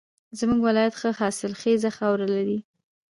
زمونږ ولایت ښه حاصلخیزه خاوره لري